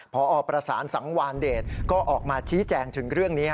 พอประสานสังวานเดชก็ออกมาชี้แจงถึงเรื่องนี้